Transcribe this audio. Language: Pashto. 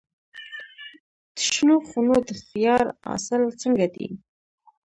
د شنو خونو د خیار حاصل څنګه دی؟